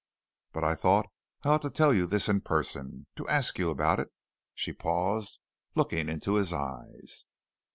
But I thought I ought to tell you this in person, to ask you about it" she paused, looking into his eyes.